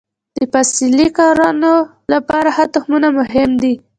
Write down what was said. د فصلي کروندو لپاره ښه تخمونه مهم دي.